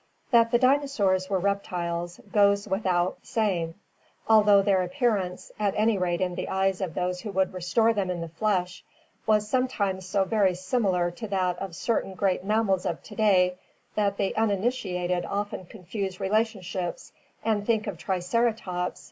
— That the dinosaurs were reptiles goes without saying, although their appearance, at any rate in the eyes of those who would restore them in the flesh, was sometimes so very similar to that of certain great mammals of to day that the uninitiated often confuse relationships and think of Triceralops (Fig.